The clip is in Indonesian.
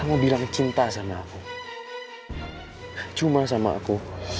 aku mau kamu bilang cinta sama aku cuman sama aku